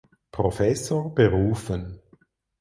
Professor berufen.